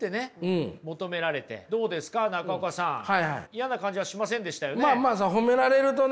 嫌な感じはしませんでしたよね？